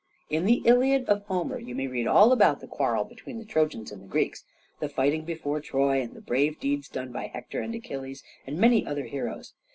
In the "Iliad" of Homer you may read all about the quarrel between the Trojans and Greeks, the fighting before Troy and the brave deeds done by Hector and Achilles, and many other heroes.